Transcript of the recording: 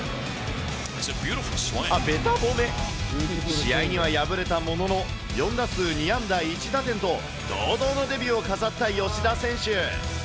試合には敗れたものの、４打数２安打１打点と、堂々のデビューを飾った吉田選手。